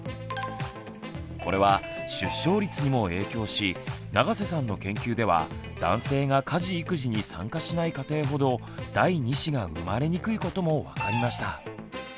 これは出生率にも影響し永瀬さんの研究では男性が家事育児に参加しない家庭ほど第２子が生まれにくいことも分かりました。